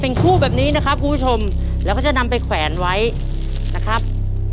เป็นคู่แบบนี้นะครับคุณผู้ชมแล้วก็จะนำไปแขวนไว้นะครับ